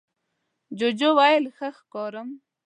جوجو وویل ښه ښکارم؟